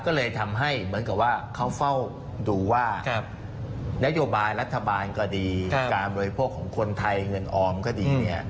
ก็เลยทำให้เหมือนกับว่าเขาเฝ้าดูว่านโยบายรัฐบาลก็ดีการบริโภคของคนไทยเงินออมก็ดี